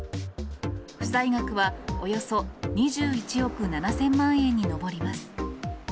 負債額はおよそ２１億７０００万円に上ります。